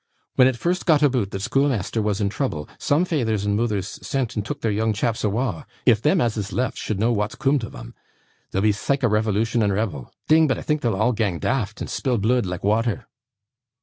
When it first got aboot that schoolmeasther was in trouble, some feythers and moothers sent and took their young chaps awa'. If them as is left, should know waat's coom tiv'un, there'll be sike a revolution and rebel! Ding! But I think they'll a' gang daft, and spill bluid like wather!